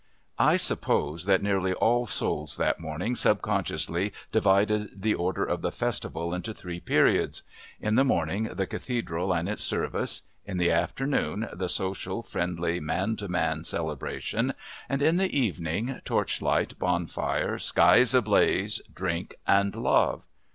I suppose that nearly all souls that morning subconsciously divided the order of the festival into three periods; in the morning the Cathedral and its service, in the afternoon the social, friendly, man to man celebration, and in the evening, torch light, bonfire, skies ablaze, drink and love.